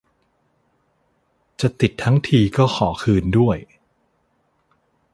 จะติดทั้งทีต้องขอคืนด้วย